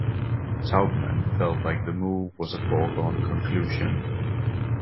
Taubman felt like the move was a foregone conclusion.